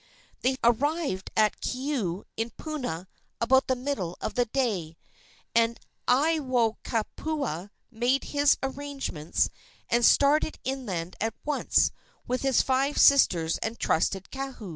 They arrived at Keaau, in Puna, about the middle of the day, and Aiwohikupua made his arrangements and started inland at once with his five sisters and trusted kahu.